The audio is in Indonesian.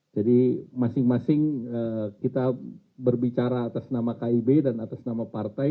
jadi masing masing kita berbicara atas nama kib dan atas nama partai